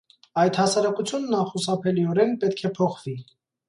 Այդ հասարակությունն անխուսափելիորեն պետք է փոխվի։